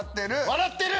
笑ってる！